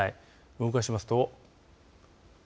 動かしますと。